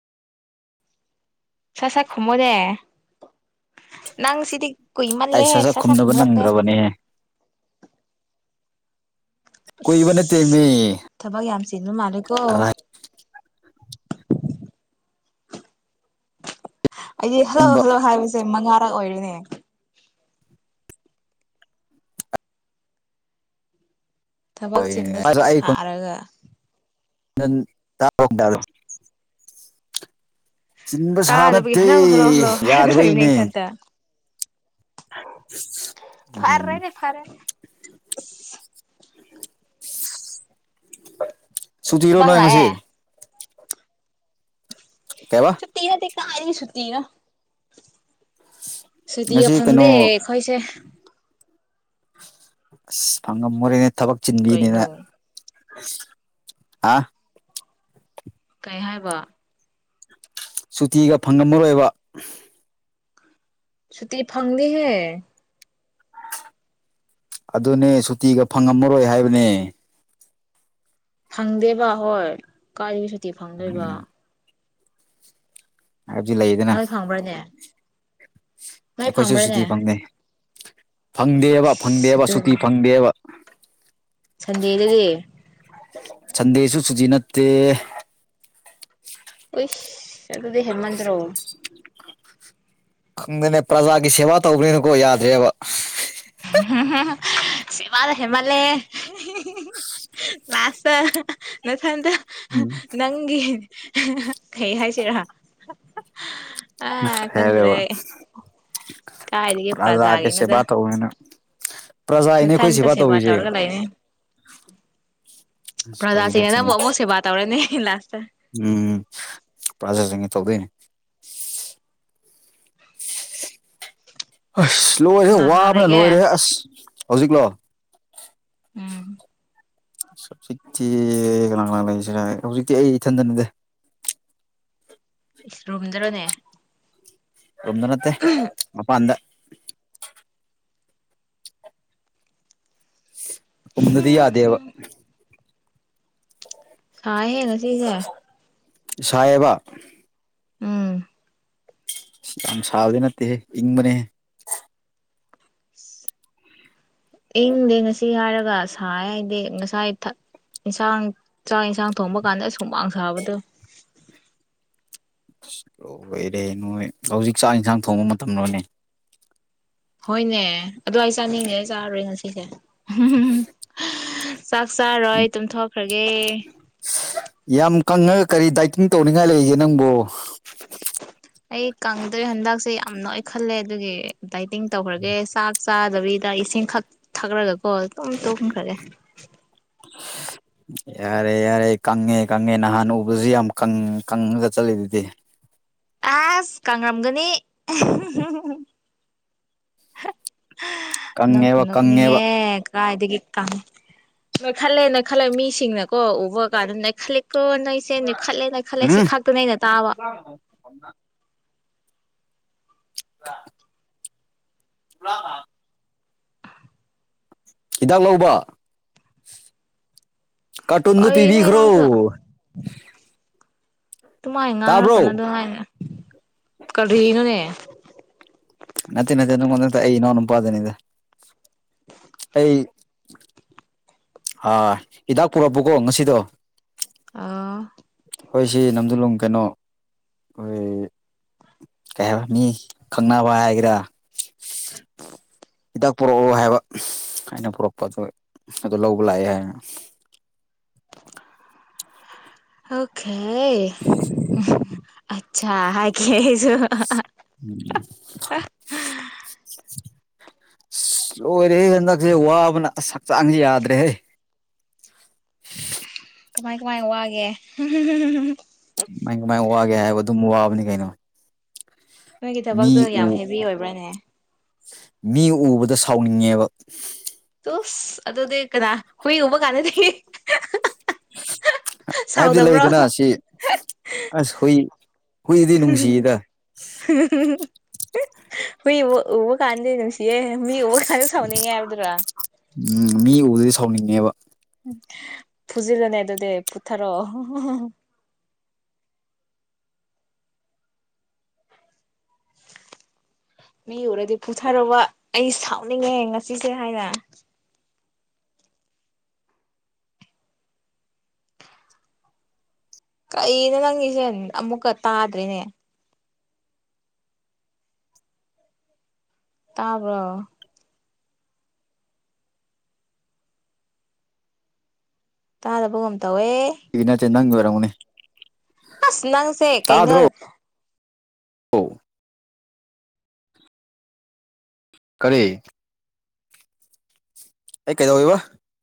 ꯁꯠ ꯁꯠ ꯈꯨꯝꯃꯣꯅꯦ ꯅꯪ ꯁꯤꯗꯤ ꯑꯩ ꯀꯨꯏꯃꯜꯂꯦꯍꯦ ꯁꯠ ꯁꯠ ꯈꯨꯝꯅꯕ ꯈꯨꯝꯔꯛꯇꯦ ꯅꯪꯗ꯭ꯔꯕꯅꯦꯍꯦ ꯀꯨꯏꯕꯅꯠꯇꯦꯃꯤ ꯑꯗꯨ ꯃꯥꯜꯂꯦꯀꯣ ꯑꯩꯗꯤ ꯍꯜꯂꯣ ꯍꯜꯂꯣ ꯍꯥꯏꯕꯁꯦ ꯃꯉꯥꯔꯛ ꯑꯣꯏꯔꯤꯅꯦ ꯊꯕꯛ ꯆꯤꯟꯕ ꯑꯣꯏꯅꯦ ꯑꯗ ꯑꯩ ꯈꯣꯟ ꯁꯥꯔꯒ [unintelligible] ꯆꯤꯟꯕ ꯁꯥꯕ ꯇꯥꯗꯕꯒꯤ ꯅꯠꯇꯦ ꯍꯜꯂꯣ ꯍꯜꯂꯣ ꯍꯜꯂꯣ ꯍꯥꯏꯔꯒ ꯂꯩꯕꯅꯦ ꯌꯥꯗꯕꯩꯅꯦ ꯏꯊꯟꯇ ꯎꯝ ꯐꯔꯦꯅꯦ ꯐꯔꯦꯅꯦ ꯑꯁ ꯁꯨꯇꯤꯔꯣ ꯊꯕꯛ ꯅꯣꯏ ꯉꯁꯤ ꯍꯜꯂꯛꯑꯦ ꯀꯩꯕ ꯁꯨꯇꯤ ꯅꯠꯇꯦ ꯀꯏꯗꯩꯁꯨꯇꯤꯅꯣ ꯁꯨꯇꯤꯒ ꯉꯁꯤ ꯐꯪꯗꯦ ꯀꯩꯅꯣ ꯑꯩꯈꯣꯏꯁꯦ ꯑꯁ ꯐꯪꯉꯝꯃꯣꯔꯦꯅꯦ ꯊꯕꯛ ꯆꯤꯟꯕꯤꯅꯤꯅ ꯀꯩꯅꯣ ꯑꯥ ꯀꯩ ꯍꯥꯏꯕ ꯁꯨꯇꯤꯒ ꯐꯪꯉꯝꯃꯔꯣꯏꯕ ꯁꯨꯇꯤ ꯐꯪꯗꯤ ꯍꯦ ꯑꯗꯨꯅꯦ ꯁꯨꯇꯤꯒ ꯐꯪꯉꯝꯃꯔꯣꯏ ꯍꯥꯏꯕꯅꯦ ꯐꯪꯗꯦꯕ ꯍꯣꯏ ꯀꯥꯏꯗꯩ ꯁꯨꯇꯤ ꯐꯪꯗꯣꯏꯕ ꯍꯥꯏꯕꯗꯤ ꯂꯩꯗꯅ ꯅꯣꯏ ꯐꯪꯕ꯭ꯔꯅꯦ ꯅꯣꯏ ꯑꯩꯈꯣꯏꯁꯨ ꯐꯪꯕ꯭ꯔꯅꯦ ꯁꯤꯇꯤ ꯐꯪꯗꯦ ꯐꯪꯗꯦꯕ ꯐꯪꯗꯦꯕ ꯁꯨꯇꯤ ꯑꯗꯨꯅꯦ ꯐꯪꯗꯦꯕ ꯁꯟꯗꯦꯗꯗꯤ ꯁꯟꯗꯦꯁꯨ ꯁꯨꯇꯤ ꯅꯠꯇꯦ ꯎꯏ ꯑꯗꯨꯗꯤ ꯍꯦꯃꯟꯗ꯭ꯔꯣ ꯈꯪꯗꯦꯅꯦ ꯄ꯭ꯔꯖꯥꯒꯤ ꯁꯦꯕꯥ ꯇꯧꯕꯅꯤꯅꯀꯣ ꯌꯥꯗ꯭ꯔꯦꯕ ꯍꯥ ꯍꯥ ꯁꯤꯕꯗ ꯍꯦꯃꯜꯂꯦ ꯍꯤꯍꯤꯍꯤ ꯂꯥꯁꯇ ꯅ ꯍꯟꯗ ꯎꯝ ꯅꯪꯒꯤ ꯀꯩ ꯍꯥꯏꯁꯤꯔꯥ ꯑꯥ ꯈꯪꯗ꯭ꯔꯦ ꯍꯥꯏꯔꯦꯕ ꯑꯩ ꯀꯥꯏꯗꯒꯤ ꯄ꯭ꯔꯖꯥꯒꯤ ꯄ꯭ꯔꯖꯥꯒꯤꯅꯣꯗ ꯁꯦꯕꯥ ꯇꯧꯋꯦꯅ ꯄ꯭ꯔꯖꯥꯒꯤꯅꯦ ꯑꯩꯈꯣꯏ ꯃꯊꯟꯇ ꯁꯦꯕꯥ ꯁꯦꯕ ꯇꯧꯔꯤꯁꯦ ꯇꯧꯔꯒ ꯂꯥꯏꯅꯦ ꯑꯁ ꯐꯥꯒꯤ ꯄ꯭ꯔꯖꯥꯁꯤꯡꯅ ꯅꯠꯇꯦꯅꯦ ꯅꯪꯕꯨ ꯑꯃꯨꯛ ꯁꯦꯕꯥ ꯇꯧꯔꯅꯤ ꯂꯥꯁ ꯎꯝ ꯄ꯭ꯔꯥꯖꯥꯁꯤꯡꯒꯤ ꯇꯧꯗꯣꯏꯅꯦ ꯑꯁ ꯂꯣꯏꯔꯦ ꯀꯅꯥ ꯀꯅꯥ ꯋꯥꯕꯅ ꯂꯩꯒꯦ ꯂꯣꯏꯔꯦ ꯑꯁ ꯍꯧꯖꯤꯛꯂꯣ ꯎꯝ ꯍꯧꯖꯤꯛꯇꯤ ꯀꯥꯅ ꯀꯥꯅ ꯂꯩꯁꯤꯔ ꯍꯧꯖꯤꯛꯇꯤ ꯑꯩ ꯏꯊꯟꯗꯅꯤꯗꯥ ꯏꯁ ꯔꯨꯝꯗꯔꯣꯅꯦ ꯔꯣꯝꯗꯅꯠꯇ ꯑꯄꯥꯟꯗ ꯔꯨꯝꯗꯗꯤ ꯌꯥꯗꯦꯕ ꯁꯥꯏꯌꯦ ꯉꯥꯁꯤꯁꯦ ꯁꯥꯏꯌꯦꯕ ꯎꯝ ꯌꯥꯝ ꯁꯕꯗꯤ ꯅꯠꯇꯦꯍꯦ ꯏꯪ ꯕꯅꯦꯍꯦ ꯏꯪꯗꯦ ꯉꯁꯤ ꯍꯥꯏꯔꯒ ꯁꯥ ꯍꯥꯏꯗꯦ ꯉꯁꯥꯏꯛ ꯏꯟꯁꯥꯡ ꯆꯥꯛ ꯌꯦꯟꯁꯥꯡ ꯊꯣꯡꯕ ꯀꯥꯟꯗ ꯍꯨꯝꯃꯥꯡ ꯁꯥꯕꯗꯣ ꯑꯁ ꯂꯣꯏꯔꯦ ꯅꯣꯏ ꯍꯧꯖꯤꯛ ꯆꯥꯛ ꯏꯟꯁꯥꯡ ꯊꯣꯡꯕ ꯃꯇꯝꯂꯣꯅꯦ ꯍꯣꯏꯅꯦ ꯑꯗꯨ ꯑꯩ ꯆꯥꯅꯤꯡꯉꯦ ꯆꯥꯔꯔꯣꯏ ꯉꯁꯤꯁꯦ ꯍꯝꯍꯝꯍꯝ ꯆꯥꯛ ꯆꯥꯔꯣꯏ ꯇꯨꯝꯊꯣꯛꯈ꯭ꯔꯒꯦ ꯌꯥꯝ ꯀꯪꯉꯒ ꯀꯔꯤ ꯗꯥꯏꯇꯤꯡ ꯇꯧꯅꯤꯡꯉꯥꯏ ꯂꯩꯒꯦ ꯅꯪꯕꯨ ꯑꯩ ꯀꯪꯗꯣꯏꯔꯤ ꯍꯟꯗꯛꯁꯦ ꯌꯥꯝ ꯂꯣꯏ ꯈꯜꯂꯦ ꯑꯗꯨꯒꯤ ꯗꯥꯏꯇꯤꯡ ꯇꯧꯈ꯭ꯔꯒꯦ ꯆꯥꯛ ꯆꯥꯗꯕꯤꯗ ꯏꯁꯤꯡ ꯈꯛ ꯊꯛꯂꯒꯀꯣ ꯑꯗꯨꯨꯝ ꯇꯨꯝꯈ꯭ꯔꯒꯦ ꯌꯥꯔꯦ ꯌꯥꯔꯦ ꯀꯪꯉꯦ ꯀꯪꯉꯦ ꯅꯍꯥꯟ ꯎꯕꯁꯨ ꯌꯥꯝ ꯀꯪ ꯀꯪꯉꯒ ꯆꯠꯂꯤ ꯑꯗꯨꯗꯤ ꯑꯁ ꯀꯪꯉꯝꯒꯅꯤ ꯑꯥꯍꯤꯍꯤꯍꯤ ꯅꯪꯛꯄꯨ ꯀꯪꯉꯦꯕ ꯀꯪꯉꯦꯕ ꯅꯣꯛꯅꯤꯡꯉꯦ ꯀꯥꯏꯗꯒꯤ ꯀꯪ ꯅꯣꯏ ꯈꯜꯂꯦꯅ ꯅꯣꯏ ꯈꯜꯂꯦ ꯃꯤꯁꯤꯡꯅ ꯀꯣ ꯎꯕ ꯀꯥꯟꯗ ꯅꯩꯈꯠꯂꯂꯤꯀꯣ ꯅꯣꯏꯁꯦ ꯅꯦꯛꯈꯠꯂꯦ ꯅꯩꯈꯠꯂꯦ ꯁꯤ ꯎꯝ ꯈꯛꯇ ꯅꯩꯅ ꯇꯥꯕ [inaudible] [inaudible] ꯍꯤꯗꯥꯛ ꯂꯧꯕ ꯀꯥꯔꯇꯨꯟꯗꯨ ꯀꯔꯤꯅꯣꯍꯦ ꯄꯤꯕꯤꯈ꯭ꯔꯣ ꯅꯪꯁꯨ ꯑꯗꯨꯃꯥꯏꯅ ꯉꯥꯡꯔꯛꯀꯅꯣ ꯇꯥꯕ꯭ꯔꯣ ꯑꯗꯨꯉꯥꯏꯅ ꯀꯔꯤꯅꯣꯅꯦ ꯅꯠꯇꯦ ꯅꯠꯇꯦ ꯅꯪꯉꯣꯡꯗ ꯅꯠꯇꯦ ꯑꯩ ꯏꯅꯥꯎꯄꯗꯅꯤꯗ ꯑꯩ ꯑꯥ ꯍꯤꯗꯥꯛ ꯄꯨꯔꯛꯄꯀꯣ ꯉꯁꯤꯗꯣ ꯑꯥ ꯑꯈꯣꯏꯁꯤ ꯅꯝꯗꯨꯂꯨꯡ ꯀꯩꯅꯣ ꯑꯈꯣꯏ ꯀꯩ ꯍꯥꯏꯕ ꯃꯤ ꯈꯪꯅꯕ ꯍꯥꯏꯒꯦꯔꯥ ꯍꯤꯗꯥꯛ ꯄꯨꯔꯛꯑꯣ ꯍꯥꯏꯕ ꯑꯩꯅ ꯄꯨꯔꯛꯄ ꯑꯗꯣꯢ ꯑꯗꯣ ꯂꯧꯕ ꯂꯥꯛꯑꯦ ꯍꯥꯏ [inaudible] ꯑꯣꯛꯈꯦ ꯑꯠꯁꯥ ꯍꯥꯢꯒꯦ ꯎꯝ [inaudible] [inaudible] ꯁꯁ ꯂꯣꯏꯔꯦꯍꯦ ꯍꯟꯗꯛꯁꯦ ꯋꯥꯕꯅ ꯑꯁ ꯍꯛꯆꯥꯡꯖꯦ ꯌꯥꯗ꯭ꯔꯦꯍꯦ ꯀꯃꯥꯏ ꯀꯃꯥꯏ ꯋꯥꯒꯦ [unintelligible] ꯀꯃꯥꯏ ꯀꯃꯥꯏ ꯋꯥꯒꯦ ꯍꯥꯏꯕ ꯑꯗꯨꯝ ꯋꯥꯕꯅꯤ ꯀꯩꯅꯣ ꯅꯣꯏꯒꯤ ꯃꯤ ꯊꯕꯛꯇꯨ ꯌꯥꯝ ꯎ ꯍꯦꯚꯤ ꯑꯣꯏꯕ꯭ꯔꯥꯅꯦ ꯃꯤ ꯎꯕꯗ ꯁꯥꯎꯅꯤꯡꯉꯦꯕ ꯎꯨꯁ ꯑꯗꯨꯗꯤ ꯀꯅꯥ ꯍꯨꯏ ꯎꯕ ꯀꯥꯟꯗꯗꯤ [unintelligible] ꯍꯥꯏꯕꯗꯤ ꯁꯥꯎꯗꯕ꯭ꯔꯣ ꯂꯩꯗꯅ ꯁꯤ ꯑꯁ ꯍꯨꯏ [unintelligible] ꯍꯨꯏꯗꯤ ꯅꯨꯡꯁꯤꯗ [unintelligible] ꯍꯨꯏ ꯎꯕ ꯎꯕ ꯀꯥꯟꯗ ꯅꯨꯡꯁꯤꯌꯦ ꯃꯤ ꯎꯕ ꯀꯥꯟꯗ ꯁꯥꯎꯅꯤꯡꯉꯦ ꯍꯥꯏꯕꯗꯨꯔꯥ ꯎꯝ ꯃꯤ ꯎꯕꯗꯗꯤ ꯁꯥꯎꯅꯤꯡꯉꯦꯕ ꯐꯨꯖꯤꯜꯂꯨꯅꯦ ꯑꯗꯨꯗꯤ ꯐꯨꯊꯔꯣ [inaudible] ꯃꯤ ꯎꯔꯗꯤ ꯐꯨꯊꯔꯣꯕ ꯑꯩ ꯁꯥꯎꯅꯤꯡꯉꯦ ꯉꯁꯤꯁꯦ ꯍꯥꯏꯅ ꯀꯩꯅꯣ ꯅꯪꯒꯤꯁꯦ ꯑꯃꯨꯛꯀ ꯇꯥꯗ꯭ꯔꯦꯅꯦ ꯇꯥꯕ꯭ꯔꯣ ꯇꯥꯗꯕꯒꯨꯝ ꯇꯧꯋꯦ ꯑꯩꯒꯤ ꯅꯠꯇꯦ ꯅꯪꯒꯤ ꯑꯣꯏꯔꯝꯒꯅꯤ ꯑꯁ ꯅꯪꯁꯦ ꯀꯩꯅꯣ ꯑꯣ ꯀꯔꯤ ꯑꯩ ꯀꯩꯗꯧꯋꯦꯕ